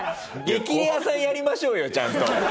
『激レアさん』やりましょうよちゃんと。